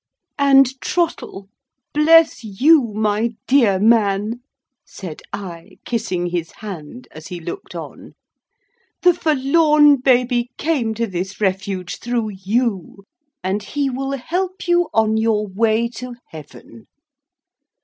"And Trottle, bless you, my dear man," said I, kissing his hand, as he looked on: "the forlorn baby came to this refuge through you, and he will help you on your way to Heaven."